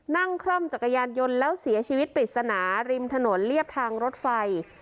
คร่อมจักรยานยนต์แล้วเสียชีวิตปริศนาริมถนนเรียบทางรถไฟ